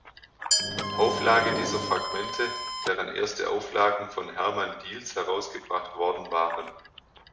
Auflage dieser Fragmente, deren erste Auflagen von Hermann Diels herausgebracht worden waren.